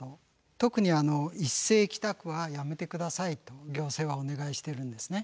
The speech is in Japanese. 特に一斉帰宅はやめて下さいと行政はお願いしてるんですね。